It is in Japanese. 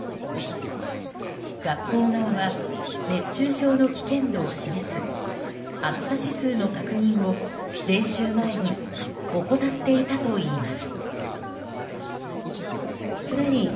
学校側は、熱中症の危険度を示す暑さ指数の確認を練習前に怠っていたといいます。